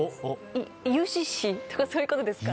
ＵＣＣとかそういうことですか？